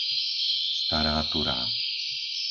Stará Turá